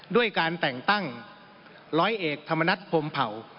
ด้วยการแต่งตั้งร้อยเอกธรรมนัฐพรมเผ่า